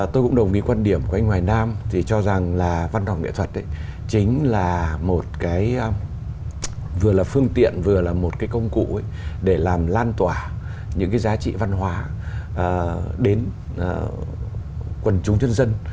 tôi cũng đồng ý quan điểm của anh hoài nam thì cho rằng là văn phòng nghệ thuật chính là một cái vừa là phương tiện vừa là một cái công cụ để làm lan tỏa những cái giá trị văn hóa đến quần chúng dân dân